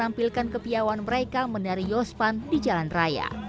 menampilkan kepiawan mereka menari yospan di jalan raya